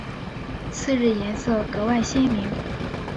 次日颜色格外鲜明。